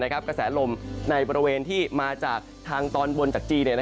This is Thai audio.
กระแสลมในบริเวณที่มาจากทางตอนบนจากจีน